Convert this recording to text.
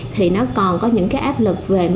thì nó còn có những cái áp lực về vấn đề kinh phí